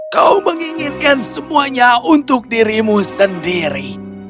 kau menginginkan semuanya untuk dirimu sendiri